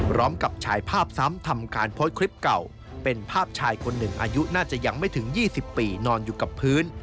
ฉายภาพซ้ำทำการโพสต์คลิปเก่าเป็นภาพชายคนหนึ่งอายุน่าจะยังไม่ถึง๒๐ปีนอนอยู่กับพื้น